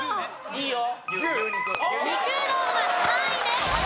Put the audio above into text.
いいよ！